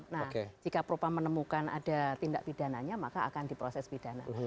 nah jika propam menemukan ada tindak pidananya maka akan diproses pidana